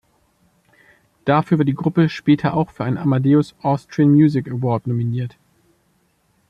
Dafür war die Gruppe später auch für einen Amadeus Austrian Music Award nominiert.